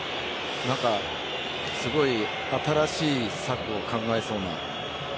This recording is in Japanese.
何かすごい新しい策を考えそうな。